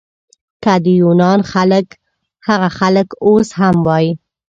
که د یونان هغه خلک اوس هم وای.